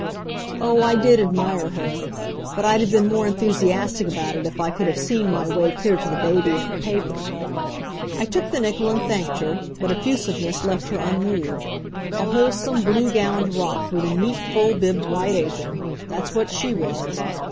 Oh, I did admire her; but I'd have been more enthusiastic about it if I could have seen my way clear to the baby and the paper. I took the nickel and thanked her, but effusiveness left her unmoved. A wholesome, blue gowned rock with a neat, full bibbed white apron; that's what she was!